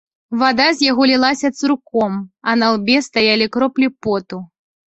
Вада з яго лілася цурком, а на лбе стаялі кроплі поту.